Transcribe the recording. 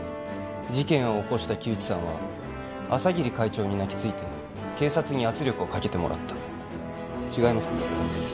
事件を起こした木内さんは朝霧会長に泣きついて警察に圧力をかけてもらった違いますか？